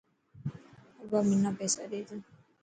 ابا منا پيسا ڏي تو.